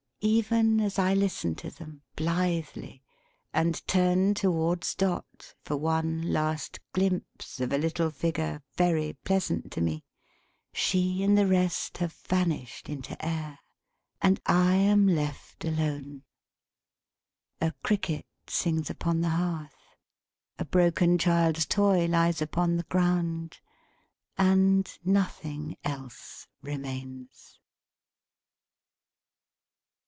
Even as I listen to them, blithely, and turn towards Dot, for one last glimpse of a little figure very pleasant to me, she and the rest have vanished into air, and I am left alone. A Cricket sings upon the Hearth; a broken child's toy lies upon the ground; and nothing else remains.